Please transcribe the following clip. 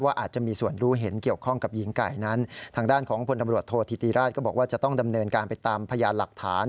อาจจะมีส่วนรู้เห็นเกี่ยวข้องกับหญิงไก่นั้นทางด้านของพลตำรวจโทษธิติราชก็บอกว่าจะต้องดำเนินการไปตามพยานหลักฐาน